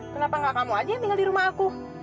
kenapa gak kamu aja yang tinggal di rumah aku